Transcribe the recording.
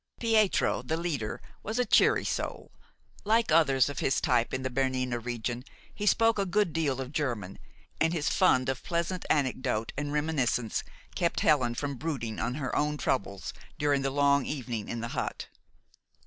Pietro, the leader, was a cheery soul. Like others of his type in the Bernina region, he spoke a good deal of German, and his fund of pleasant anecdote and reminiscence kept Helen from brooding on her own troubles during the long evening in the hut.